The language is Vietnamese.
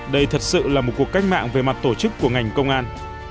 đây thật sự là một cuộc cách mạng về mặt tổ chức của ngành công an